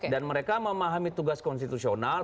dan mereka memahami tugas konstitusional